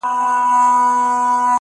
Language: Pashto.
باندي شعرونه ليكم~